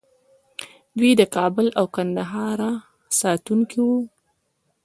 دوی د کابل او ګندهارا ساتونکي وو